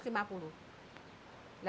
kalo ada orang di belakang nasi rembu